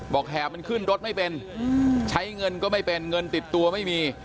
แหบมันขึ้นรถไม่เป็นใช้เงินก็ไม่เป็นเงินติดตัวไม่มี